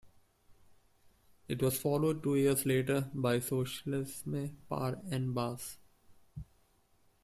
It was followed two years later by Socialisme Par En Bas.